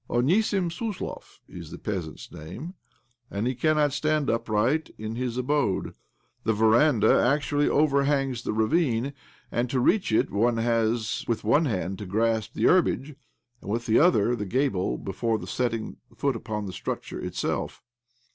Onisim Suslov is the peasant's name, and he cannot stand upright in his abode. The veranda actually overhangs the ravine, and to reach it one has with one hand to grasp the herbage, and, with the other, the gable before setting foot upon the structure itself.